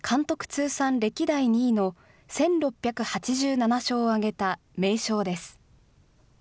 通算歴代２位の１６８７勝を挙げた名将です。